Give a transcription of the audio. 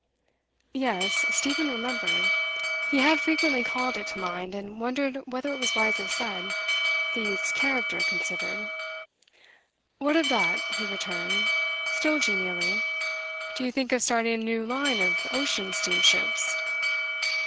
Yes, Stephen remembered. He had frequently called it to mind, and wondered whether it was wisely said, the youth's character considered. 'What of that?' he returned, still genially. 'Do you think of starting a new line of ocean steamships?